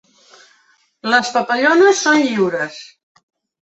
Les papallones són lliures.